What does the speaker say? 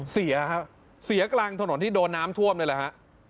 เสียครับเสียกลางถนนที่โดนน้ำท่วมนี่แหละฮะ